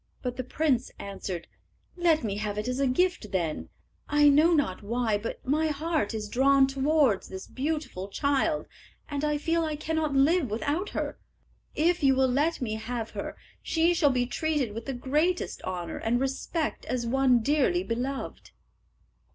But the prince answered, "Let me have it as a gift, then. I know not why, but my heart is drawn towards this beautiful child, and I feel I cannot live without her. If you will let me have her, she shall be treated with the greatest honour and respect as one dearly beloved."